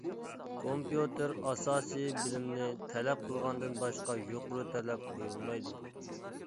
كومپيۇتېر ئاساسىي بىلىمىنى تەلەپ قىلغاندىن باشقا يۇقىرى تەلەپ قويۇلمايدۇ.